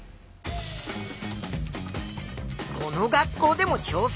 この学校でもちょう戦。